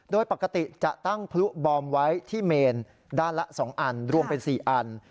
โดยปกติจะตั้งพลุบอมไว้ที่เมนด้านละ๒อันรวมเป็น๔อัน